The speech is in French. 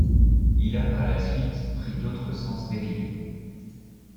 Il a par la suite pris d'autres sens dérivés.